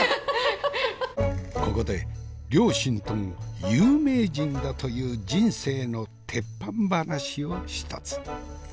ここで両親とも有名人だという人生のテッパン話を一つ。